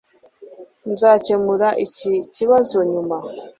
Nzakemura iki kibazo nyuma